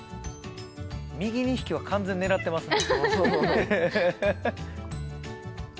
右２匹は完全狙ってますね。